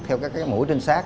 theo các cái mũi trinh sát